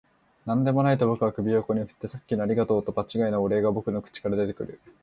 「何でもない」と僕は首を横に振って、「さっきのありがとう」と場違いなお礼が僕の口から出てくる